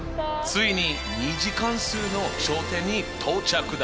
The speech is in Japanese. ついに２次関数の頂点に到着だ！